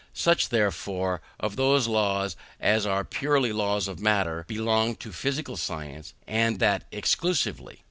Such, however, of those laws as are purely laws of matter, belong to physical science, and to that exclusively.